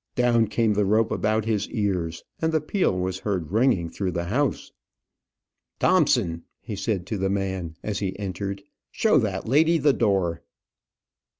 Down came the rope about his ears, and the peal was heard ringing through the house. "Thompson," he said to the man, as he entered, "show that lady the door."